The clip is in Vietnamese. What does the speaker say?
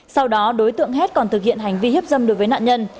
sau đó đối tượng hết còn thực hiện hành vi hiếp dâm đối với nạn nhân